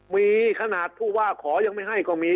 มีขนาดผู้ว่าขอยังไม่ให้ก็มี